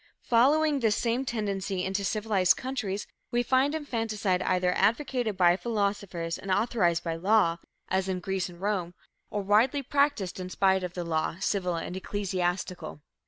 Following this same tendency into civilized countries, we find infanticide either advocated by philosophers and authorized by law, as in Greece and Rome, or widely practiced in spite of the law, civil and ecclesiastical.